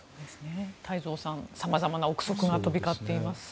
太蔵さん、様々な臆測が飛び交っています。